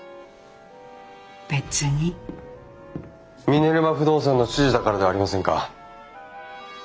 ミネルヴァ不動産の指示だからではありませんか？